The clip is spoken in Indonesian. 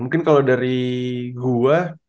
mungkin kalau dari gua